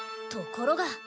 ところが。